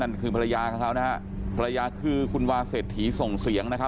คือภรรยาของเขานะฮะภรรยาคือคุณวาเศรษฐีส่งเสียงนะครับ